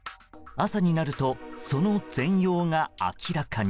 朝になるとその全容が明らかに。